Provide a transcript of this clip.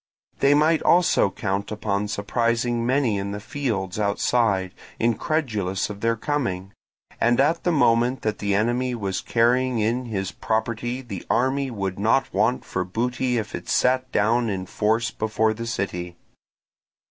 They might also count upon surprising many in the fields outside, incredulous of their coming; and at the moment that the enemy was carrying in his property the army would not want for booty if it sat down in force before the city.